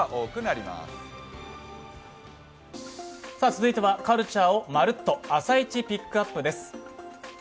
続いてはカルチャーをまるっと「朝イチＰＩＣＫＵＰ！」です。